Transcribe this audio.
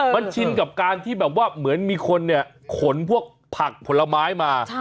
มันชินกับการที่แบบว่าเหมือนมีคนเนี่ยขนพวกผักผลไม้มา